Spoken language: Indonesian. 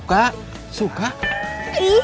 kau lagi berantem sama encut